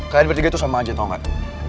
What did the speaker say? kalian bertiga itu sama aja tau gak